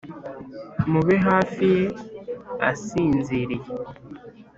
mube hafi ye asinziriye.